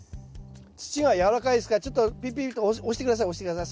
土がやわらかいですからちょっとピピッと押して下さい押して下さい。